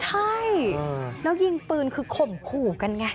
ใช่แล้วยิงปืนคือข่มขู่กันไง